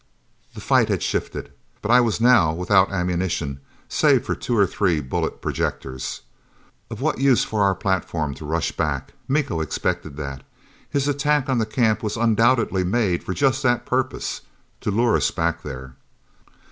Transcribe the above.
The fight had shifted. But I was now without ammunition, save for two or three bullet projectors. Of what use for our platform to rush back? Miko expected that. His attack on the camp was undoubtedly made just for that purpose: to lure us back there.